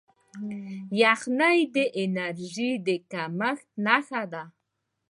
یخني د انرژۍ د کمښت نښه ده.